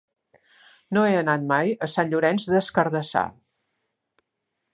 No he anat mai a Sant Llorenç des Cardassar.